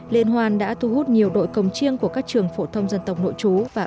liên hoàn đã thu hút nhiều đội công chiêng của các trường phổ thông dân tộc nội chú và bán chú trên địa bàn tham gia